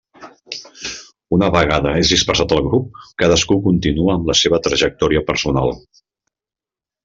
Una vegada és dispersat el grup, cadascú continua amb la seva trajectòria personal.